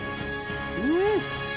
うん！